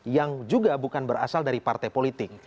yang juga bukan berasal dari partai politik